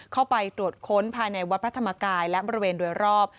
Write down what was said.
เข้าไปตรวจค้นภายในวัดพระธรรมกายและบริเวณโดยรอบ